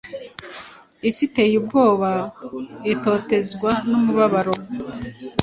Isi iteye ubwobaitotezwa numubabaro